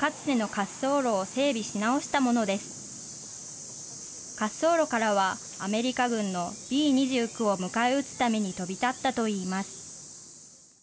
滑走路からはアメリカ軍のＢ２９を迎え撃つために飛び立ったといいます。